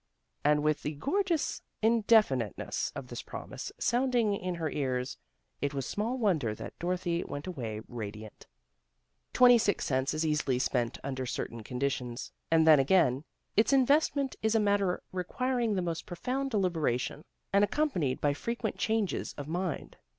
And with the gorgeous indefiniteness of this promise sounding in her ears, it was small wonder that Dorothy went away radiant. Twenty six cents is easily spent under certain conditions, and then again, its investment is a matter requiring the most profound delibera tion, and accompanied by frequent changes of mind.